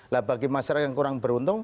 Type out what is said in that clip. lah bagi masyarakat yang kurang beruntung